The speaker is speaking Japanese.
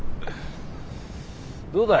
どうだい。